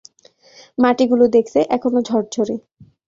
মাটিগুলো দেখতে এখনো ঝরঝরে।